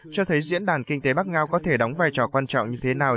cho thấy diễn đàn kinh tế bắc ngao có thể đóng vai trò quan trọng như thế nào